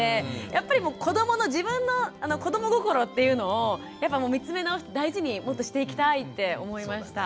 やっぱり自分の子ども心っていうのを見つめ直して大事にもっとしていきたいって思いました。